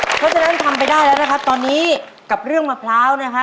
เพราะฉะนั้นทำไปได้แล้วนะครับตอนนี้กับเรื่องมะพร้าวนะฮะ